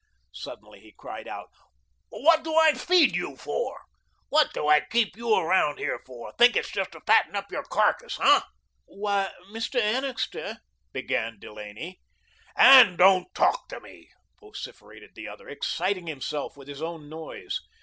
Suddenly he cried out, "What do I FEED you for? What do I keep you around here for? Think it's just to fatten up your carcass, hey?" "Why, Mr. Annixter " began Delaney. "And don't TALK to me," vociferated the other, exciting himself with his own noise.